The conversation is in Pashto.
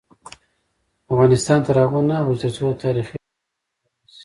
افغانستان تر هغو نه ابادیږي، ترڅو تاریخي ودانۍ ترمیم نشي.